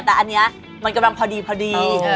อ๋อแล้วมันสะอาดไป